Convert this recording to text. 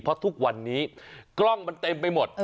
เพราะทุกวันนี้กล้องมันเต็มไปหมด